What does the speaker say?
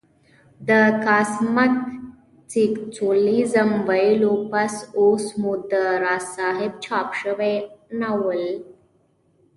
د کاسمک سېکسوليزم ويلو پس اوس مو د راز صاحب چاپ شوى ناول